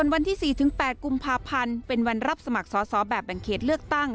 วันที่๔๘กุมภาพันธ์เป็นวันรับสมัครสอสอแบบแบ่งเขตเลือกตั้ง